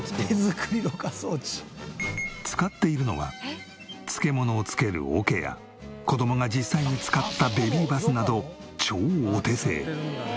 使っているのは漬物を漬けるおけや子供が実際に使ったベビーバスなど超お手製。